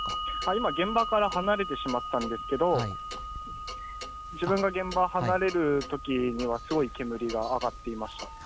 今、現場から離れてしまったんですけど自分が現場、離れるときにはすごい煙が上がっていました。